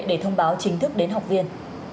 để thông báo chính thức đến học viên